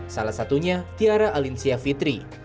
salah satunya tiara alinsia fitri